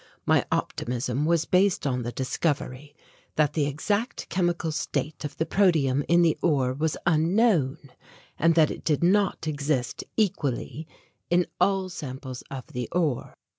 My optimism was based on the discovery that the exact chemical state of the protium in the ore was unknown, and that it did not exist equally in all samples of the ore.